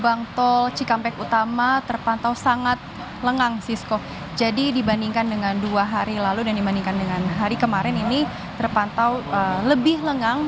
gerbang tol cikampek utama terpantau sangat lengang sisko jadi dibandingkan dengan dua hari lalu dan dibandingkan dengan hari kemarin ini terpantau lebih lengang